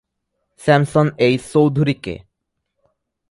Samson H Chowdhury K?